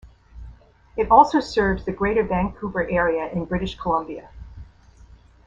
It also serves the Greater Vancouver area in British Columbia.